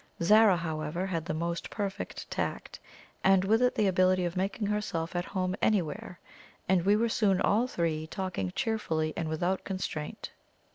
Zara, however, had the most perfect tact, and with it the ability of making herself at home anywhere, and we were soon all three talking cheerfully and without constraint.